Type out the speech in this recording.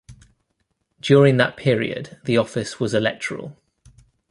During that period the office was electoral.